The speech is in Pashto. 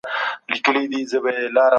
پښتو يوازې د کتاب ژبه نه ده.